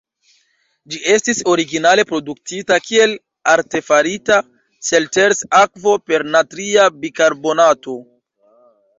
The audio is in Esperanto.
Ĝi estis originale produktita kiel artefarita Selters-akvo per natria bikarbonato.